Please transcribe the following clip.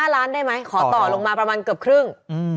ล้านได้ไหมขอต่อลงมาประมาณเกือบครึ่ง